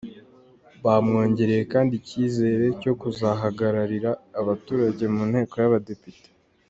Bamwongereye kandi ikizere cyo kuzahagararira abaturage mu nteko y’abadepite.